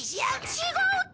違うって！